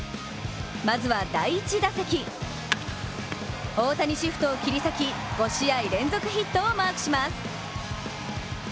まずは第１打席大谷シフトを切り裂き５試合連続ヒットをマークします。